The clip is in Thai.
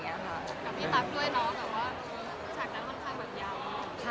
บ๊วยบีร้าวสารอเอลาตี้ชั่วครับ